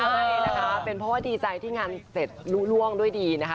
ใช่นะคะเป็นเพราะว่าดีใจที่งานเสร็จรู้ล่วงด้วยดีนะคะ